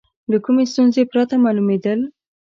له کومې ستونزې پرته معلومېدل.